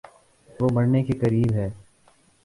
وہ مرنے کے قریب ہے